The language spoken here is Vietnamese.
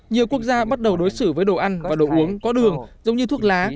nhiều quốc gia bắt đầu đối xử với đồ ăn và đồ uống có đường giống như thuốc lá